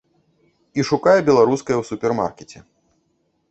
І шукае беларускае ў супермаркеце.